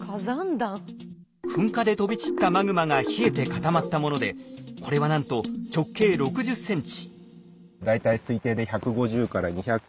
噴火で飛び散ったマグマが冷えて固まったものでこれはなんと直径６０ｃｍ。